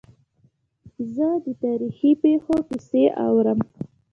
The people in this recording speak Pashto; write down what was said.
زه د تاریخي پېښو کیسې اورم.